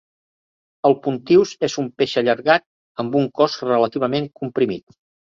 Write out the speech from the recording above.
El puntius és un peix allargat amb un cos relativament comprimit.